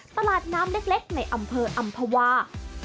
ตลาดน้ำเล็กในอำเภออำภาวา